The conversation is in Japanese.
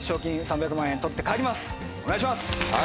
お願いします！